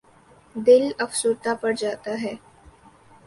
دل افسردہ پڑ جاتا ہے۔